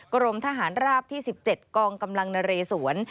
กรมทหารราบที่๑๗กองกำลังนเรสวน